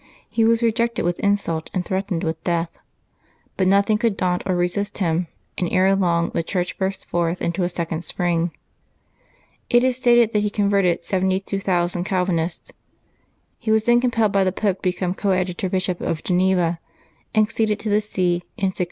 He was rejected with in sult and threatened with death. But nothing could daunt or resist him, and ere long the Church burst forth into a second spring. It is stated that he converted 72,000 Cal vinists. He was then compelled by the Pope to become Coadjutor Bishop of Geneva, and succeeded to the see in 1602.